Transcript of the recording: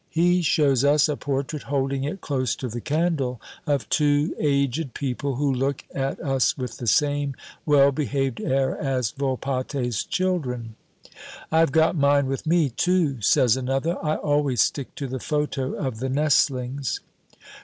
He shows us a portrait holding it close to the candle, of two aged people who look at us with the same well behaved air as Volpatte's children. "I've got mine with me, too," says another; "I always stick to the photo of the nestlings."